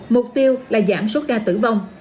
mục tiêu là giảm số ca tử vong